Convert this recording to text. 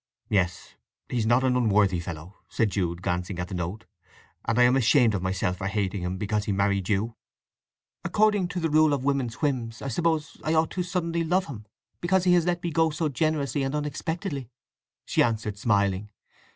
"Yes. He's not an unworthy fellow," said Jude, glancing at the note. "And I am ashamed of myself for hating him because he married you." "According to the rule of women's whims I suppose I ought to suddenly love him, because he has let me go so generously and unexpectedly," she answered smiling.